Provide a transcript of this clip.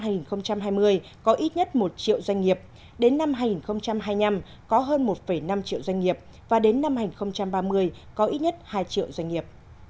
năm hai nghìn hai mươi có ít nhất một triệu doanh nghiệp đến năm hai nghìn hai mươi năm có hơn một năm triệu doanh nghiệp và đến năm hai nghìn ba mươi có ít nhất hai triệu doanh nghiệp